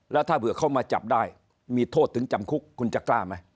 แล้วถ้าเผื่อเขามาจับได้มีโทษถึงจำคุกคุณจะกล้าไหม